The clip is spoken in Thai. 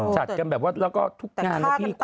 จัดกันแบบว่าแล้วก็ทุกงานแล้วพี่